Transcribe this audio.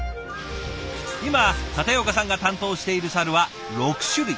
今舘岡さんが担当しているサルは６種類。